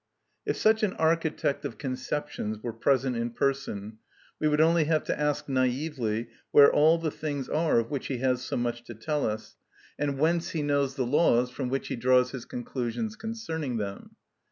If such an architect of conceptions were present in person we would only have to ask naively where all the things are of which he has so much to tell us, and whence he knows the laws from which he draws his conclusions concerning them.